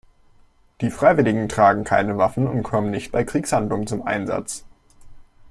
Die Freiwilligen tragen keine Waffen und kommen nicht bei Kriegshandlungen zum Einsatz.